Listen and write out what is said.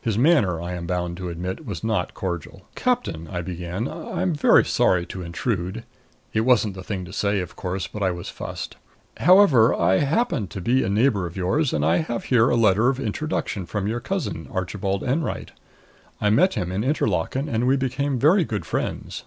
His manner, I am bound to admit, was not cordial. "Captain," I began, "I am very sorry to intrude " It wasn't the thing to say, of course, but I was fussed. "However, I happen to be a neighbor of yours, and I have here a letter of introduction from your cousin, Archibald Enwright. I met him in Interlaken and we became very good friends."